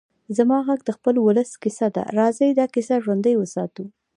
زما غږ د خپل ولس کيسه ده؛ راځئ دا کيسه ژوندۍ وساتو.